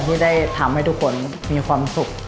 ที่ได้ทำให้ทุกคนมีความสุข